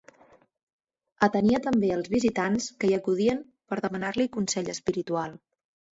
Atenia també els visitants que hi acudien per demanar-li consell espiritual.